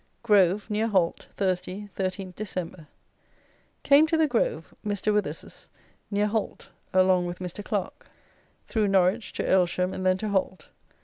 Grove, near Holt, Thursday, 13th Dec. Came to the Grove (Mr. Withers's), near Holt, along with Mr. Clarke. Through Norwich to Aylsham and then to Holt.